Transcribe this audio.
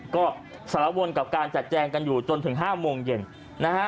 ก็สารวนกับการจัดแจงกันอยู่จนถึง๕โมงเย็นนะฮะ